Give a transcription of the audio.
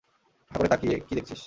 হাঁ করে তাকিয়ে কি দেখছিস?